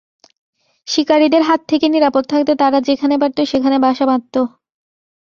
শিকারিদের হাত থেকে নিরাপদ থাকতে তারা যেখানে পারত সেখানে বাসা বাঁধত।